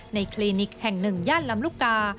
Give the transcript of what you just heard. ในคลีนิกแห่ง๑ย่างลำลูกกา